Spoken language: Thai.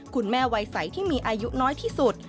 วัยใสที่มีอายุน้อยที่สุด